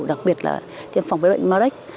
đặc biệt là tiêm phòng với bệnh marek